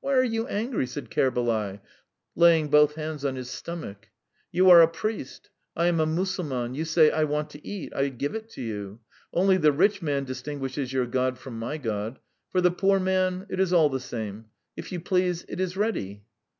"Why are you angry?" said Kerbalay, laying both hands on his stomach. "You are a priest; I am a Mussulman: you say, 'I want to eat' I give it you. ... Only the rich man distinguishes your God from my God; for the poor man it is all the same. If you please, it is ready."